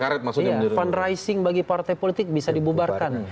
revising bagi partai politik bisa dibubarkan